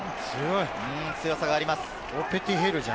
強さがあります。